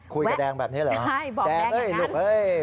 คุยกับแดงแบบนี้เหรอแดงอย่างนั้นใช่บอกแดงอย่างนั้น